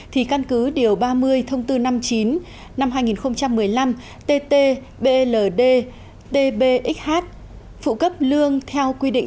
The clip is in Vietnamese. thì căn cứ điều ba mươi thông tư năm mươi chín năm hai nghìn một mươi năm tt bld tbxh phụ cấp lương theo quy định